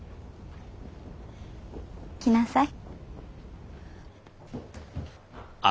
来なさい。